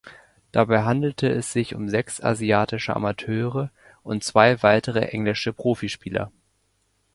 Dabei handelte es sich um sechs asiatische Amateure und zwei weitere englische Profispieler.